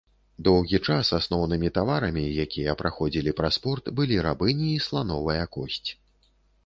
Доўгі час асноўнымі таварамі, якія праходзілі праз порт, былі рабыні і слановая косць.